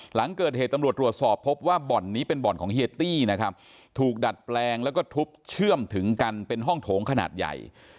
หลังเกิดเหตุตำรวจตรวจสอบพบว่าบ่อนนี้เป็นบ่อนของเฮียตี้นะครับถูกดัดแปลงแล้วก็ทุบเชื่อมถึงกันเป็นห้องโถงขนาดใหญ่